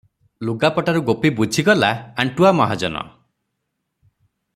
ଲୁଗାପଟାରୁ ଗୋପୀ ବୁଝିଗଲା ଆଣ୍ଟୁଆ ମହାଜନ ।